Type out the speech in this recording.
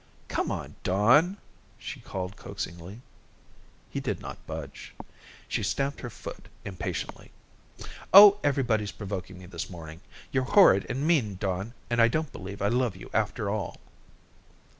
"Come on, Don," she called coaxingly. He did not budge. She stamped her foot impatiently. "Oh, everybody's provoking this morning. You're horrid and mean, Don, and I don't believe I love you, after all."